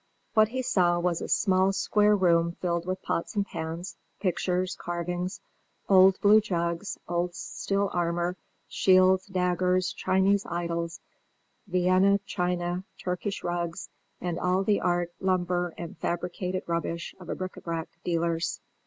What he saw was a small square room filled with pots and pans, pictures, carvings, old blue jugs, old steel armour, shields, daggers, Chinese idols, Vienna china, Turkish rugs, and all the art lumber and fabricated rubbish of a bric à brac dealer's.